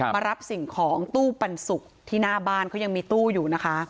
มารับสิ่งของตู้ปันสุกที่หน้าบ้านเขายังมีตู้อยู่นะคะ